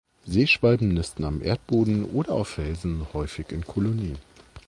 Seeschwalben nisten am Erdboden oder auf Felsen, häufig in Kolonien.